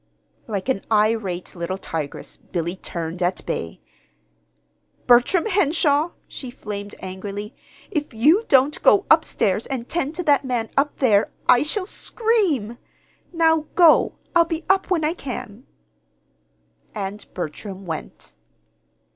Like an irate little tigress, Billy turned at bay. "Bertram Henshaw," she flamed angrily, "if you don't go up stairs and tend to that man up there, I shall scream. Now go! I'll be up when I can." And Bertram went.